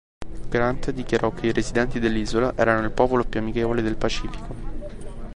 Grant dichiarò che i residenti dell'isola erano il "popolo più amichevole del Pacifico".